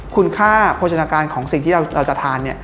คุณค่าโภชนาการของสิ่งที่เราจะทานเนี่ย